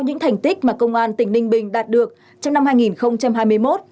những thành tích mà công an tỉnh ninh bình đạt được trong năm hai nghìn hai mươi một